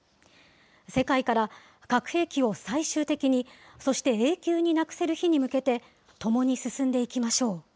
世界から核兵器を最終的に、そして永久になくせる日に向けて、共に進んでいきましょう。